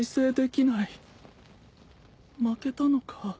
負けたのか？